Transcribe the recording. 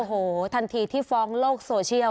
โอ้โหทันทีที่ฟ้องโลกโซเชียล